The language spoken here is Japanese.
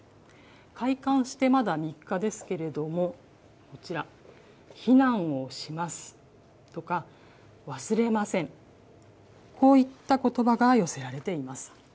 開館してまだ３日ですけれども、こちら、避難をしますとか、忘れません、こういったことばが寄せられています。